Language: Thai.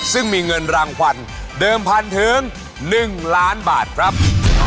ซึ่งมีเงินรางวัลเดิมพันถึง๑ล้านบาทครับ